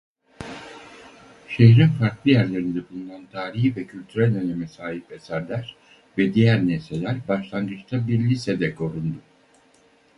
Şehrin farklı yerlerinde bulunan tarihi ve kültürel öneme sahip eserler ve diğer nesneler başlangıçta bir lisede korundu.